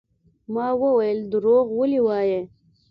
ما وويل دروغ ولې وايې.